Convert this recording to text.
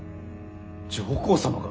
上皇様が！？